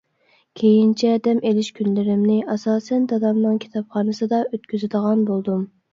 كېيىنچە دەم ئېلىش كۈنلىرىمنى ئاساسەن دادامنىڭ كىتابخانىسىدا ئۆتكۈزىدىغان بولدۇم.